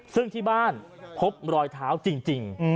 ซึ่งที่บ้านพบรอยเท้าจริง